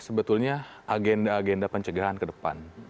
sebetulnya agenda agenda pencegahan ke depan